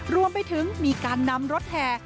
รวมไปถึงมีการนำรถแห่